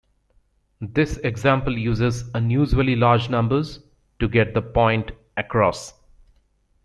This example uses unusually large numbers to get the point across.